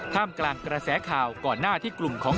กลางกระแสข่าวก่อนหน้าที่กลุ่มของ